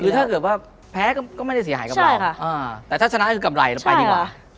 หรือถ้าเกิดว่าแพ้ก็ไม่ได้เสียหายกับเราแต่ถ้าชนะก็กำไรไปดีกว่าอเรนนี่ใช่ค่ะ